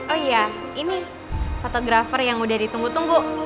oh iya ini fotografer yang udah ditunggu tunggu